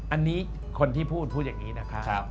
อันนี้คนที่พูดพูดอย่างนี้นะคะ